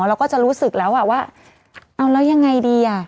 เราก็จะรู้สึกแล้วอ่ะว่าเอาแล้วยังไงดีอ่ะ